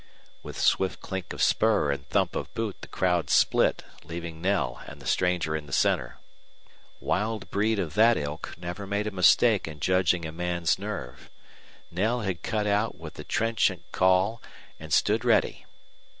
With swift clink of spur and thump of boot the crowd split, leaving Knell and the stranger in the center. Wild breed of that ilk never made a mistake in judging a man's nerve. Knell had cut out with the trenchant call, and stood ready.